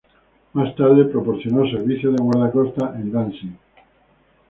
Más tarde, proporcionó servicios de guardacostas en Danzig.